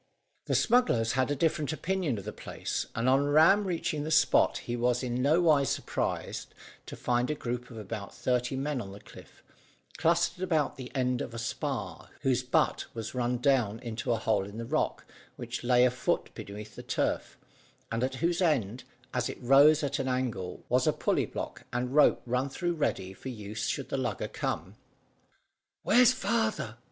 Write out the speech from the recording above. The smugglers had a different opinion of the place, and on Ram reaching the spot he was in nowise surprised to find a group of about thirty men on the cliff, clustered about the end of a spar, whose butt was run down into a hole in the rock, which lay a foot beneath the turf, and at whose end, as it rose at an angle, was a pulley block and rope run through ready for use should the lugger come. "Where's father?"